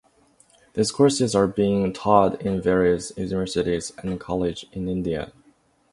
These courses are being taught in various universities and colleges in India.